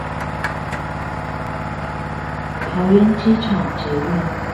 桃園機場捷運